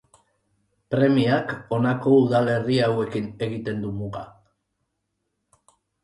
Premiak honako udalerri hauekin egiten du muga.